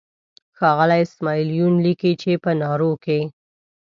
ښاغلی اسماعیل یون لیکي چې په نارو کې.